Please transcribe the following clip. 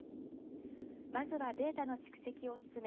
まずはデータの蓄積を進め